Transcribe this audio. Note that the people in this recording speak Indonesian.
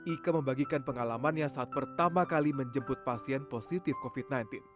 ike membagikan pengalamannya saat pertama kali menjemput pasien positif covid sembilan belas